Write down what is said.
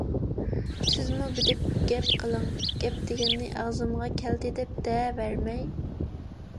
سىزمۇ بىلىپ گەپ قىلىڭ! گەپ دېگەننى ئاغزىمغا كەلدى دەپ دەۋەرمەي!